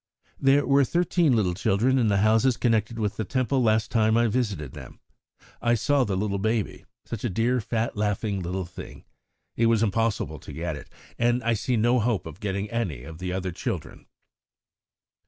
"There were thirteen little children in the houses connected with the Temple last time I visited them. I saw the little baby such a dear, fat, laughing little thing. It was impossible to get it, and I see no hope of getting any of the other children."